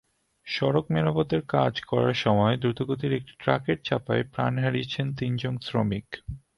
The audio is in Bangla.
সড়ক মেরামতের কাজ করার সময় দ্রুতগামী একটি ট্রাকের চাপায় প্রাণ হারিয়েছেন তিনজন শ্রমিক।